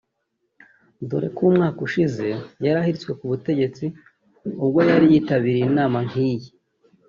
dore ko umwaka ushize yari ahiritswe ku butegetsi ubwo yari yitabiriye inama nk’iyi